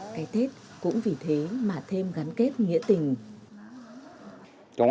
cái tết cũng vì thế mà thêm gắn kết nghĩa tình